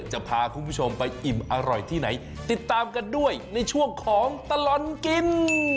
จะพาคุณผู้ชมไปอิ่มอร่อยที่ไหนติดตามกันด้วยในช่วงของตลอดกิน